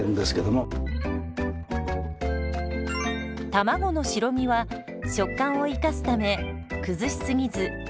卵の白身は食感を生かすため崩しすぎず形をほどよく残しています。